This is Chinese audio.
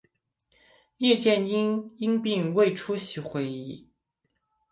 叶剑英因病未出席会议。